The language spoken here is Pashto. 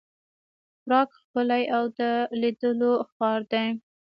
پراګ ښکلی او د لیدلو ښار دی.